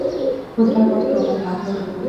খোদার কসম, আমি আম্মুকে বলে দেব।